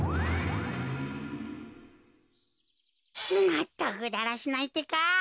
まったくだらしないってか。